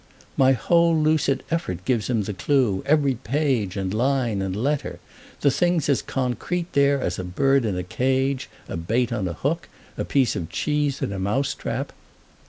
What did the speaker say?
"My whole lucid effort gives him the clue—every page and line and letter. The thing's as concrete there as a bird in a cage, a bait on a hook, a piece of cheese in a mouse trap.